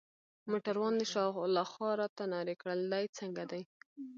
موټروان د شا لخوا راته نارې کړل: دی څنګه دی؟